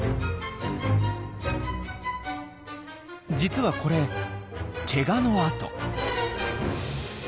実はこれケガの痕。